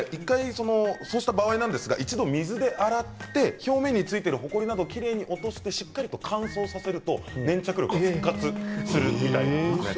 そうした場合、一度水で洗って表面についているほこりなどをきれいに落としてしっかりと乾燥させると粘着力が復活するみたいです。